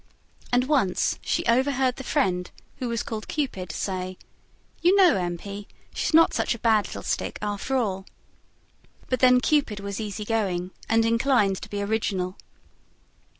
And once she overheard the friend, who was called Cupid, say: "You know, M. P., she's not such a bad little stick after all." But then Cupid was easy going, and inclined to be original.